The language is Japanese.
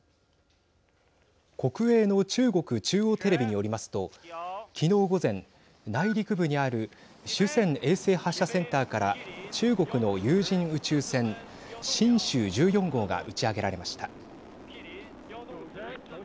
国営の中国中央テレビによりますときのう午前、内陸部にある酒泉衛星発射センターから中国の有人宇宙船神舟１４号が打ち上げられました。